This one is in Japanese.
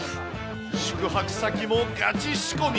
宿泊先もガチ仕込み。